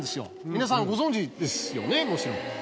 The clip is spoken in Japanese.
皆さんご存じですよねもちろん。